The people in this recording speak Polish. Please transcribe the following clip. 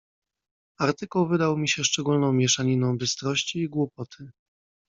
"Artykuł wydał mi się szczególną mieszaniną bystrości i głupoty."